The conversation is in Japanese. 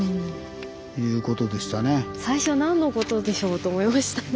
最初何のことでしょうと思いましたね。